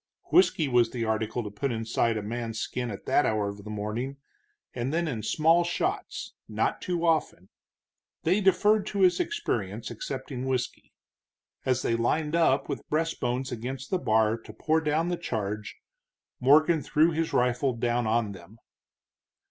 Whisky was the article to put inside a man's skin at that hour of the morning, and then in small shots, not too often. They deferred to his experience, accepting whisky. As they lined up with breastbones against the bar to pour down the charge, Morgan threw his rifle down on them.